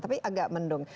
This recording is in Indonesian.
tapi agak mendung